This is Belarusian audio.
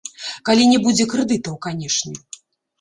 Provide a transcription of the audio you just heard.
Калі не будзе крэдытаў, канешне.